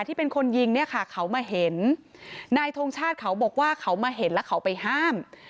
ที่เป็นคนยิงเนี่ยค่ะเขามาเห็นนายทงชาติเขาบอกว่าเขามาเห็นแล้วเขาไปห้าม